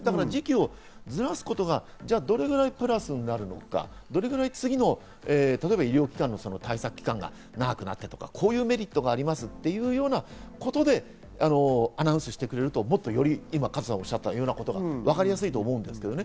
時期をずらすことがどれだけプラスになるのか、どれぐらい次の医療機関の対策期間が長くなってとか、こういうメリットがありますっていうようなことで、アナウンスしてくれると、もっとより加藤さんがおっしゃったようなこともわかりやすいと思うんですね。